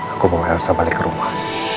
aku bawa elsa balik ke rumah